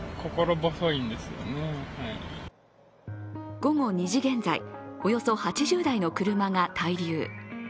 午後２時現在、およそ８０台の車が滞留。